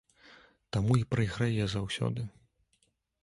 Таму і прайграе заўсёды.